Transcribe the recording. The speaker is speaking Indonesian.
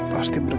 pasti akan berjaya